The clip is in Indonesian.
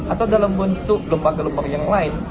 atau dalam bentuk lembaga gelombang yang lain